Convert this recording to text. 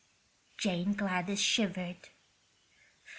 Jane Gladys shivered.